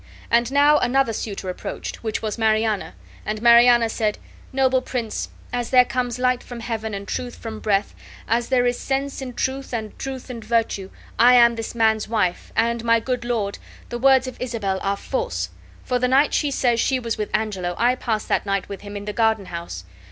And now another suitor approached, which was Mariana; and Mariana said: "Noble prince, as there comes light from heaven and truth from breath, as there is sense in truth and truth in virtue, I am this man's wife, and, my good lord, the words of Isabel are false, for the night she says she was with Angelo I passed that night with him in the garden house.